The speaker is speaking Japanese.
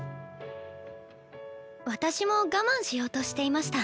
私も我慢しようとしていました。